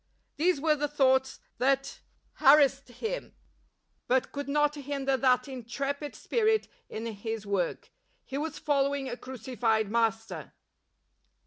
These were the thoughts that ham him, but could not hinder that intrepid spirit in his work. He was following a crucified Master.